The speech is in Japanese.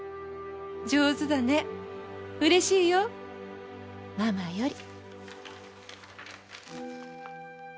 上手だねうれしいよ。ママより」。